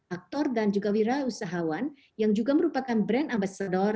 aktor dan juga wira usahawan yang juga merupakan brand ambasador